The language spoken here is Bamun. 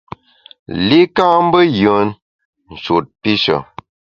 Li ka mbe yùen, nshut pishe.